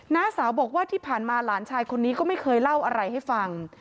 ้าสาวบอกว่าที่ผ่านมาหลานชายคนนี้ก็ไม่เคยเล่าอะไรให้ฟัง